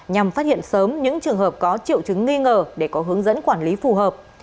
nhằm phát hiện sớm những trường hợp có triệu chứng nghi ngờ để có hướng dẫn quản lý phù hợp